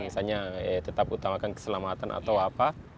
misalnya tetap utamakan keselamatan atau apa